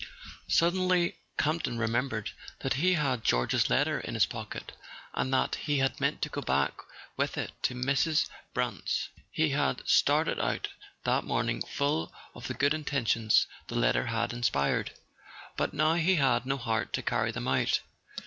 Suddenly Campton remembered that he had George's letter in his pocket, and that he had meant to go back with it to Mrs. Brant's. He had started out that morn¬ ing full of the good intentions the letter had inspired; but now he had no heart to carry them out.